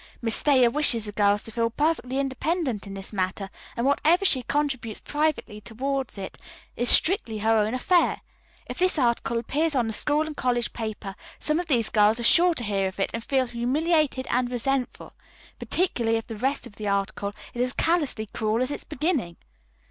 Miss Thayer wishes the girls to feel perfectly independent in this matter, and whatever she contributes privately toward it is strictly her own affair. If this article appears on the school and college page, some of these girls are sure to hear of it and feel humiliated and resentful, particularly if the rest of the article is as callously cruel as its beginning."